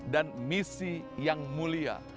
dan misi yang mulia